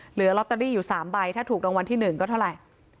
เหลือลอตเตอรี่อยู่๓ใบถ้าถูกรางวัลที่๑ก็เท่าไหร่